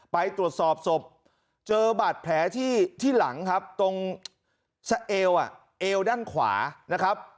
ไปตรวจสอบศพเจอบาดแผลที่หลังครับตรงสะเอวเอวด้านขวานะครับ